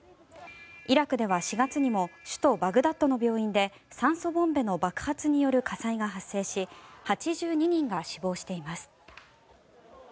イラクでは４月にも首都バグダッドの病院で酸素ボンベの爆発による火災が発生し８２人が死亡しています。